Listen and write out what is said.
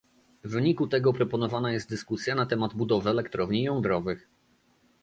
W wyniku tego proponowana jest dyskusja na temat budowy elektrowni jądrowych